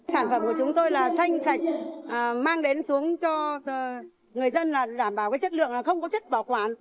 sản phẩm của chúng tôi là xanh sạch mang đến xuống cho người dân là đảm bảo cái chất lượng là không có chất bảo quản